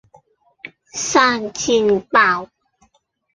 生煎包